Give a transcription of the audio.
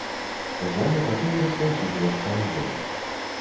У зале пачаў распаўсюджвацца агонь.